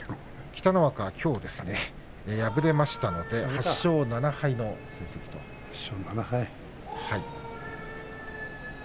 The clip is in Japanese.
北の若は敗れましたので８勝７敗の成績です。